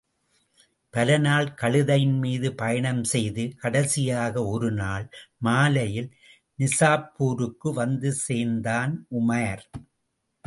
பலநாள் கழுதையின் மீது பயணம் செய்து கடைசியாக ஒருநாள் மாலையில் நிசாப்பூருக்கு வந்து சேர்ந்தான் உமார்.